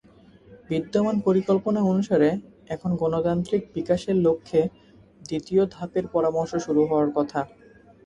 বিদ্যমান পরিকল্পনা অনুসারে, এখন গণতান্ত্রিক বিকাশের লক্ষ্যে দ্বিতীয় ধাপের পরামর্শ শুরু হওয়ার কথা।